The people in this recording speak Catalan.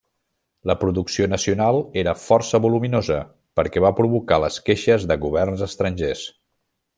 La producció nacional era força voluminosa, perquè va provocar les queixes de governs estrangers.